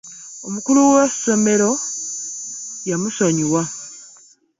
Omukulu w'esomero yamusonyiwa.